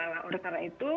nah oleh karena itu